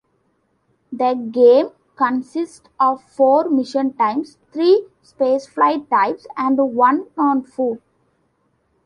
The game consists of four mission types: three spaceflight types, and one on foot.